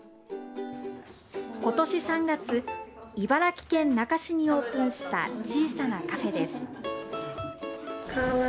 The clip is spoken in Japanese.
今年３月、茨城県那珂市にオープンした小さなカフェです。